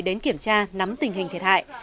đến kiểm tra nắm tình hình thiệt hại